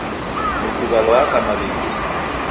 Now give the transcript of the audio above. Lukuw'a lwaaka maw'ingunyi